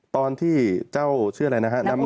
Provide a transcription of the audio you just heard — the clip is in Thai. ตอนที่เจ้าชื่ออะไรนะฮะ